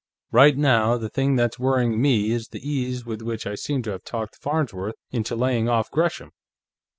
Right now, the thing that's worrying me is the ease with which I seem to have talked Farnsworth into laying off Gresham.